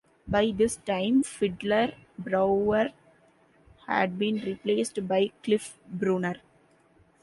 By this time, fiddler Brower had been replaced by Cliff Bruner.